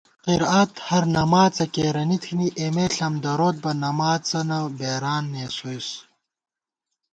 قرأت ہرنماڅہ کېرَنی تھنی، اېمے ݪم دروت بہ نماڅَنہ بېران نېسوئیس